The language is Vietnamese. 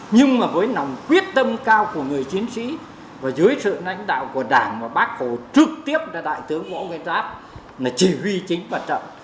nhưng mà với nòng quyết tâm cao của người chiến sĩ và dưới sự nãnh đạo của đảng và bác hồ trực tiếp ra đại tướng của ông nguyên giáp là chỉ huy chính và trận